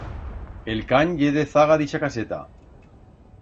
El can ye dezaga d'ixa caseta.